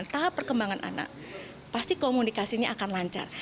tahap perkembangan anak pasti komunikasinya akan lancar